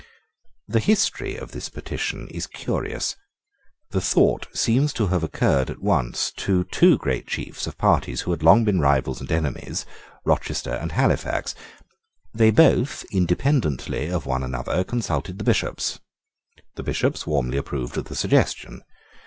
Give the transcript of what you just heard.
The history of this petition is curious. The thought seems to have occurred at once to two great chiefs of parties who had long been rivals and enemies, Rochester and Halifax. They both, independently of one another, consulted the Bishops. The Bishops warmly approved of the suggestion.